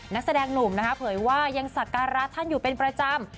นักแสดงหนุ่มนะคะเผยว่ายังสักการะท่านอยู่เป็นประจำ